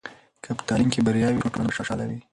که په تعلیم کې بریا وي، نو ټولنه به خوشحاله وي.